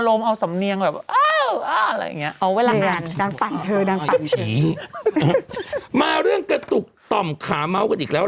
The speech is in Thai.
หมายเรื่องกระตุกต่อมขาเมาท์อย่างเลี้ยว